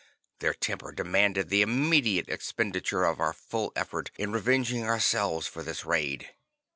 Their temper demanded the immediate expenditure of our full effort in revenging ourselves for this raid.